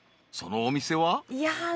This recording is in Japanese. ［そのお店は？］